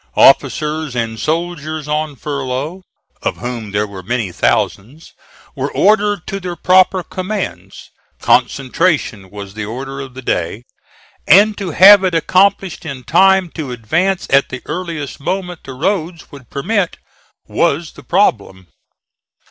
Officers and soldiers on furlough, of whom there were many thousands, were ordered to their proper commands; concentration was the order of the day, and to have it accomplished in time to advance at the earliest moment the roads would permit was the problem.